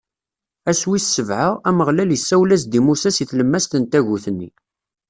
Ass wis sebɛa, Ameɣlal isawel-as-d i Musa si tlemmast n tagut-nni.